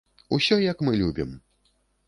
Усё, як мы любім.